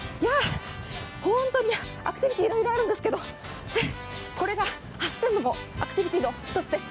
ホントにアクティビティーいろいろあるんですけどこれが走っているのもアクティビティーの１つです。